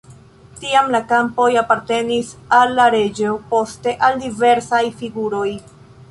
Tiam la kampoj apartenis al la reĝo, poste al diversaj figuroj.